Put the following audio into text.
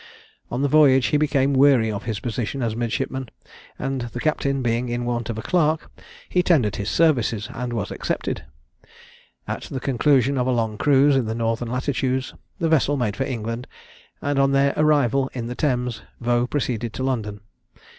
On the voyage he became weary of his position as a midshipman, and the captain being in want of a clerk, he tendered his services and was accepted. At the conclusion of a long cruise in the northern latitudes, the vessel made for England; and on their arrival in the Thames, Vaux proceeded to London.